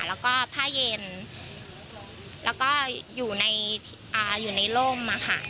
แล้วก็ผ้าเย็นแล้วก็อยู่ในร่มค่ะ